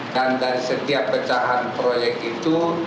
dan dari setiap pecahan proyek itu